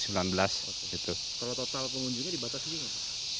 kalau total pengunjungnya dibatasi juga